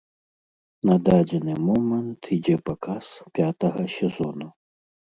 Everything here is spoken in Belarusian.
На дадзены момант ідзе паказ пятага сезону.